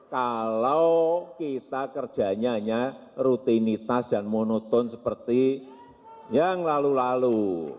kalau kita kerjanya hanya rutinitas dan monoton seperti yang lalu lalu